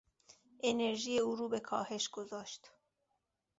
انرژی او رو به کاهش گذاشت.